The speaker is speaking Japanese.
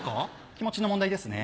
気持ちの問題ですね。